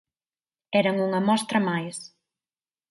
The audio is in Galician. Eran unha mostra máis.